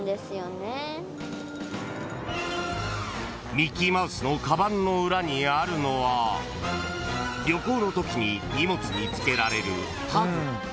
［ミッキーマウスのかばんの裏にあるのは旅行のときに荷物に付けられる］